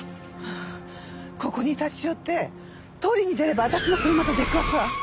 ああここに立ち寄って通りに出れば私の車と出くわすわ。